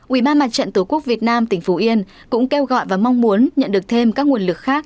ủy ban mặt trận tổ quốc việt nam tỉnh phú yên cũng kêu gọi và mong muốn nhận được thêm các nguồn lực khác